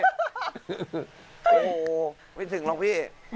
โอ้โหไม่ถึงหรอกพี่